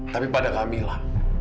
tapi pada kamila